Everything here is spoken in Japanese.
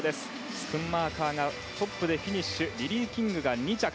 スクンマーカーがトップでフィニッシュリリー・キングが２着。